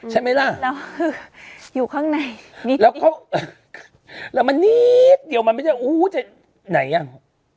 ใช่ไหมล่ะแล้วอยู่ข้างในแล้วมันนิดเดียวมันไม่ได้อู้จะไหนยัง